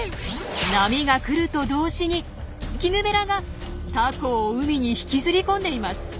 波が来ると同時にキヌベラがタコを海に引きずり込んでいます。